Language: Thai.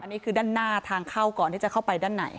อันนี้คือด้านหน้าทางเข้าก่อนที่จะเข้าไปด้านใน